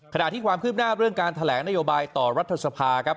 ขณะที่ความคืบหน้าเรื่องการแถลงนโยบายต่อรัฐสภาครับ